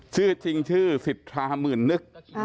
ชื่อจริงชื่อสิทธาหมื่นนึก